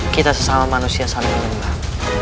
kita sesama manusia selalu menyembah